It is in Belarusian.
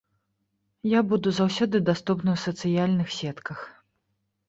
Я буду заўсёды даступны ў сацыяльных сетках.